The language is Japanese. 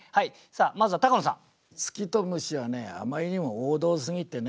まずは高野さん。